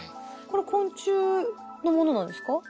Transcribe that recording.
これ昆虫のものなんですか？